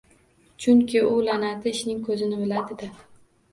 Chunki u la’nati, ishning ko‘zini biladi-da!